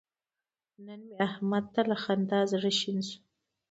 نن مې احمد ته له خندا زړه شین شو.